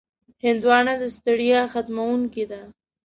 هندوانه د ستړیا ختموونکې ده.